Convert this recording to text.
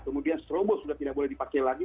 kemudian strobos sudah tidak boleh dipakai lagi